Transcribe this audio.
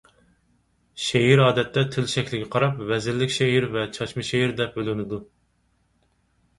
شېئىر ئادەتتە تىل شەكلىگە قاراپ ۋەزىنلىك شېئىر ۋە چاچما شېئىر دەپ بۆلۈنىدۇ.